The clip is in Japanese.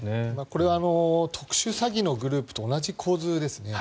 これは、特殊詐欺のグループと同じ構図ですね。